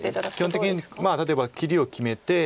基本的に例えば切りを決めて。